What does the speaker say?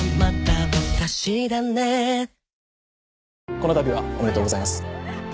このたびはおめでとうございます